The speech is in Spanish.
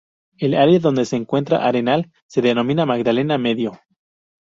El área donde se encuentra Arenal, se denomina Magdalena Medio.